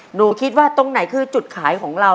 หนูคิดว่าตรงไหนคือจุดขายของเรา